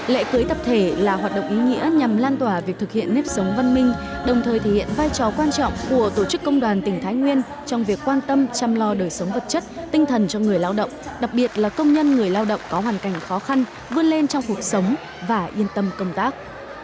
lễ cưới tập thể là hoạt động ý nghĩa nhằm lan tỏa việc thực hiện nếp sống văn minh đồng thời thể hiện vai trò quan trọng của tổ chức công đoàn tỉnh thái nguyên trong việc quan tâm chăm lo đời sống vật chất tinh thần cho người lao động đặc biệt là công nhân người lao động có hoàn cảnh khó khăn vươn lên trong cuộc sống và yên tâm công tác